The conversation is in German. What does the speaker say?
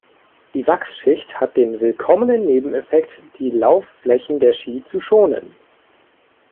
Die Wachsschicht hat den willkommenen Nebeneffekt, die Laufflächen der Ski zu schonen.